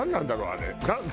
あれ。